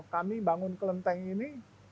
kami bangun kelenteng ini